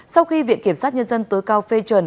sau khi viện kiểm sát nhân dân tối cao phê chuẩn